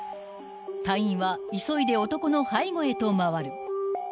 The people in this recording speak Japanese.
［隊員は急いで男の背後へと回る］